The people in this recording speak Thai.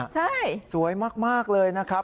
ใช่สวยมากเลยนะครับ